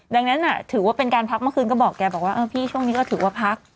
ดังนั้นถือว่าเป็นการพักเมื่อคืนก็บอกแกบอกว่าเออพี่ช่วงนี้ก็ถือว่าพัก